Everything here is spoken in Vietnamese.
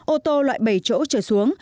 ô tô loại bảy chỗ trở xuống